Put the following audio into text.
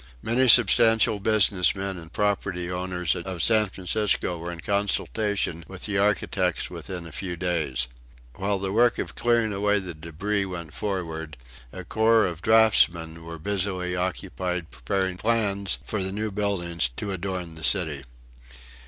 Many substantial business men and property owners of San Francisco were in consultation with the architects within a few days. While the work of clearing away the debris went forward, a corps of draughtsmen was busily occupied preparing plans for the new buildings to adorn the city.